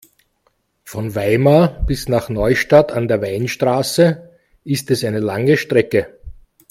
Von Weimar bis nach Neustadt an der Weinstraße ist es eine lange Strecke